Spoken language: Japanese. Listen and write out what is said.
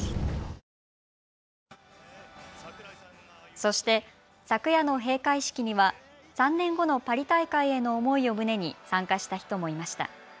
そして、昨夜の閉会式には３年後のパリ大会への思いを胸に参加した人もいました。